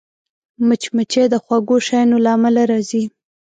مچمچۍ د خوږو شیانو له امله راځي